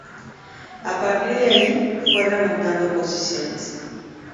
A partir de ahí fue remontando posiciones.